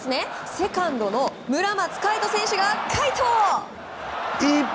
セカンドの村松開人選手がカイト。